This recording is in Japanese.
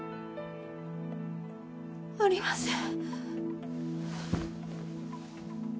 ありません。